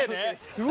すごい！